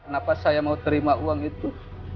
kenapa saya mau terima uang itu